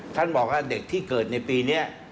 ท่านบอกว่าเด็กที่เกิดในปีนี้